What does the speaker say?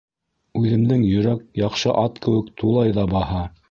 Үҙемдең йөрәк яҡшы ат кеүек тулай ҙа баһа.